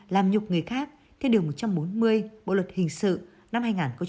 làm nhục người khác theo điều một trăm bốn mươi bộ luật hình sự năm hai nghìn một mươi năm